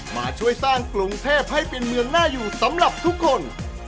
มาช่วยสร้างกรุงเทพให้เป็นเมืองน่าอยู่สำหรับทุกคน